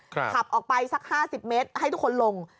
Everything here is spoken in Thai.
ครับขับออกไปสักห้าสิบเมตรให้ทุกคนลง